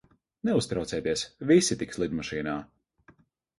Neuztraucieties, visi tiks lidmašīnā.